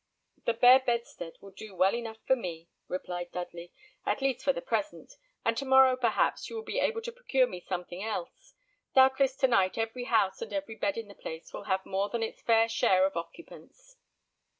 "The bare bedstead will do well enough for me," replied Dudley, "at least for the present; and to morrow, perhaps, you will be able to procure me something else. Doubtless to night every house and every bed in the place will have more than its fair share of occupants."